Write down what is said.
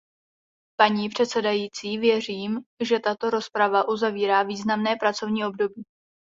Paní předsedající, věřím, že tato rozprava uzavírá významné pracovní období.